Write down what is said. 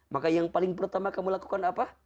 maka yang paling pertama kamu lakukan apa